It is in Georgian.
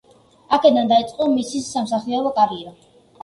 აქედან დაიწყო მისი სამსახიობო კარიერა.